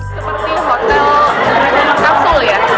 seperti hotel kapsul ya